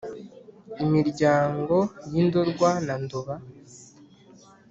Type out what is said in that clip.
iminyago yi ndorwa na nduba